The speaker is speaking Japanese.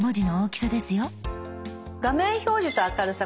「画面表示と明るさ」